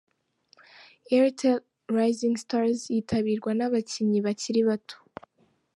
Airtel Rising Stars yitabirwa n' abakinnyi bakiri bato.